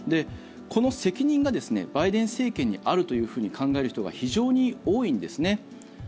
この責任がバイデン政権にあるというふうに考える人が非常に多いんですね。